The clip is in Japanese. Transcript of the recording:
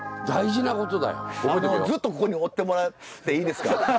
ずっとここにおってもらっていいですか。